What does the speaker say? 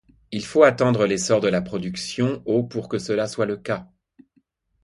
Il faut attendre l'essor de la production au pour que cela soit le cas.